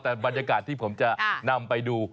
แต่บรรยากาศที่ผมจะนำไปดู